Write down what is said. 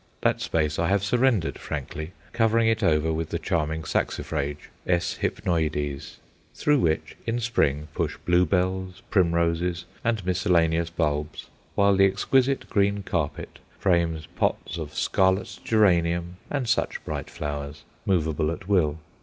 That space I have surrendered frankly, covering it over with the charming saxifrage, S. hypnoides, through which in spring push bluebells, primroses, and miscellaneous bulbs, while the exquisite green carpet frames pots of scarlet geranium and such bright flowers, movable at will.